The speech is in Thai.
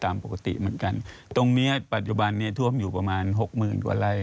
ตามปกติเหมือนกันตรงเนี้ยปัจจุบันนี้ท่วมอยู่ประมาณหกหมื่นกว่าไร่